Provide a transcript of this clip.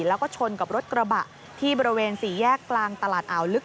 แล้วก็ชนกับรถกระบะที่บริเวณสี่แยกกลางตลาดอ่าวลึก